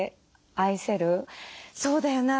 そうだよな